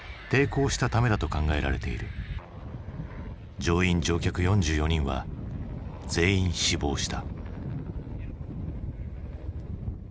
乗員・乗客４４人は全員死亡した。